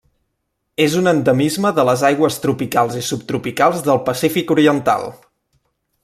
És un endemisme de les aigües tropicals i subtropicals del Pacífic oriental.